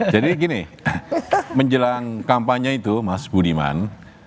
jadi gini menjelang kampanye itu mas budiman